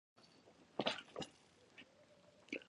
د غاښونو ترمنځ فاصله باید په ځانګړي تار سره پاکه شي.